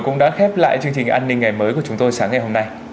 cũng đã khép lại chương trình an ninh ngày mới